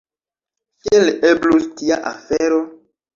Kiel eblus tia afero?